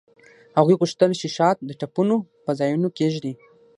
هغوی غوښتل چې شات د ټپونو په ځایونو کیږدي